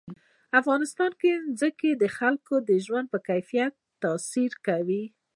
افغانستان کې ځمکه د خلکو د ژوند په کیفیت تاثیر کوي.